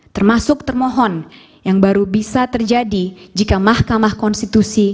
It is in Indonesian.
termasuk termohon yang baru bisa terjadi jika mahkamah konstitusi